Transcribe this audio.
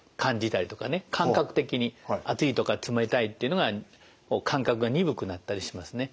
感覚的に熱いとか冷たいっていうのが感覚が鈍くなったりしますね。